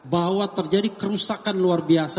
bahwa terjadi kerusakan luar biasa